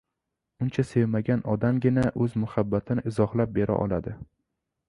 Uncha sevmagan odamgina o‘z muhabbatini izohlab bera oladi.